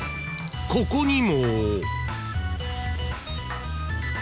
［ここにも］